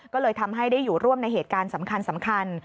ก็เลยทำให้ได้อยู่ร่วมในเหตุการณ์สำคัญ